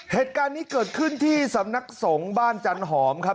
เหตุการณ์นี้เกิดขึ้นที่สำนักสงฆ์บ้านจันหอมครับ